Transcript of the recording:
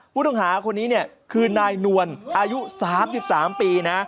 ผู้ต้องหาคนนี้เนี่ยคือนายนวลอายุ๓๓ปีนะ